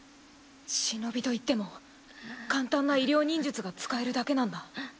忍といっても簡単な医療忍術が使えるだけなんだ。